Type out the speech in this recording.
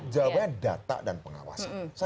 jawabannya data dan pengawasan